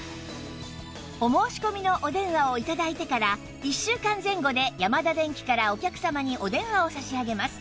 お申し込みのお電話を頂いてから１週間前後でヤマダデンキからお客様にお電話を差し上げます